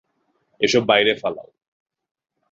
এসব বাইরে ফালাও।